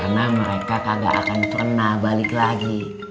karena mereka kagak akan pernah balik lagi